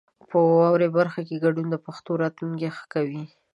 په واورئ برخه کې ګډون د پښتو راتلونکی ښه کوي.